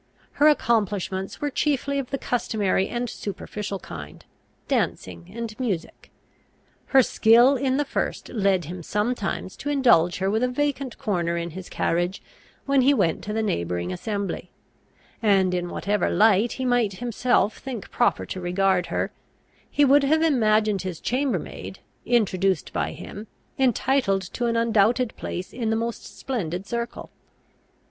Her accomplishments were chiefly of the customary and superficial kind, dancing and music. Her skill in the first led him sometimes to indulge her with a vacant corner in his carriage, when he went to the neighbouring assembly; and, in whatever light he might himself think proper to regard her, he would have imagined his chambermaid, introduced by him, entitled to an undoubted place in the most splendid circle.